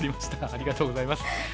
ありがとうございます。